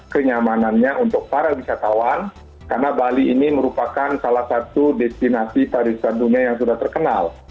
kenyamanannya untuk para wisatawan karena bali ini merupakan salah satu destinasi pariwisata dunia yang sudah terkenal